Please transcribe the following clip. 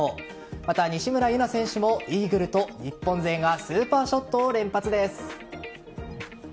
また、西村優菜選手もイーグルと日本勢がスーパーショットを連発です。